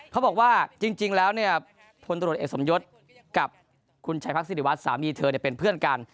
เขาบอกว่าจริงแล้วเนี่ยพลตรวจเอกสมยศกับคุณชัยพักศิริวัตรสามีเธอเป็นเพื่อนกัน